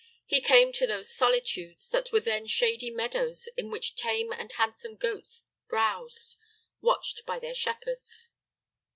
He came to those solitudes, that were then shady meadows in which tame and handsome goats browsed, watched by their shepherds.